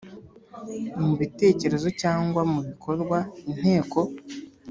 mu bitekerezo cyangwa mu bikorwa Inteko